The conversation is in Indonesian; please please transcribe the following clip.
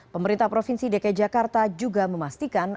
pemerintah provinsi dki jakarta juga memastikan